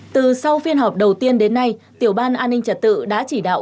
từ sau phiên họp đầu tiên đến nay tiểu ban an ninh trật tự đã chỉ đạo